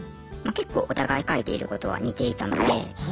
けっこうお互い書いていることは似ていたので。